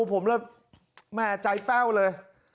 ผมเริ่มแม่ใจเป้าเลย